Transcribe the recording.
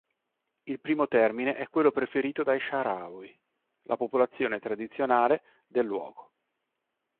Il primo termine è quello preferito dai Sahrawi, la popolazione tradizionale del luogo.